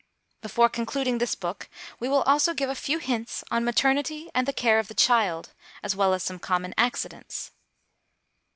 Before concluding this book, we will also give a few hints on maternity and the care of the child, as well as some common accidents.